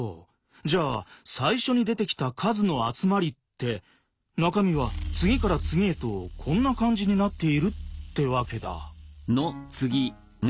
じゃあ最初に出てきた「数」の集まりって中身は次から次へとこんな感じになっているってわけだ。